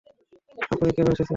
আপনি কেন এসেছেন?